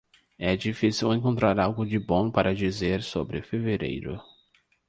É difícil encontrar algo de bom para dizer sobre fevereiro.